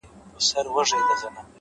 ليري له بلا سومه.چي ستا سومه.